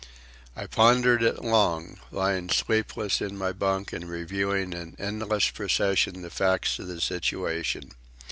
I pondered it long, lying sleepless in my bunk and reviewing in endless procession the facts of the situation.